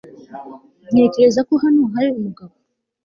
ntekereza ko hano hari umugabo